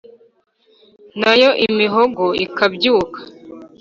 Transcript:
na yo imihogo ikabyuka.